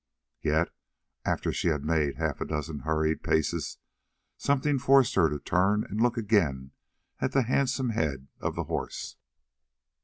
Yet, after she had made half a dozen hurried paces something forced her to turn and look again at the handsome head of the horse.